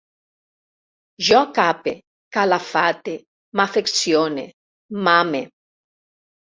Jo cape, calafate, m'afeccione, m'ame